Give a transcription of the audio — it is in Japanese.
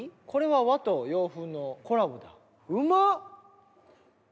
これは和と洋風のコラボだ。